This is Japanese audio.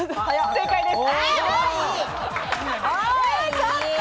正解です。